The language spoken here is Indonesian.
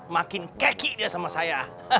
makin keki dia sama saya